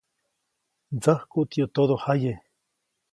Ndsäjkuʼt yäʼ todojaye.